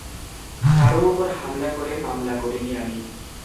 কারও ওপর হামলা করে মামলা করিনি আমি।